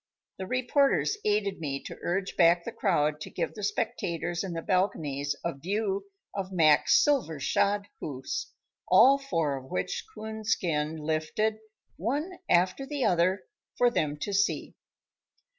The reporters aided me to urge back the crowd to give the spectators in the balconies a view of Mac's silver shod hoofs, all four of which Coonskin lifted, one after the other, for them to see.